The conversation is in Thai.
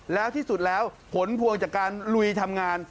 แล้วที่สุดแล้วผลพวงจากการลุยทำงาน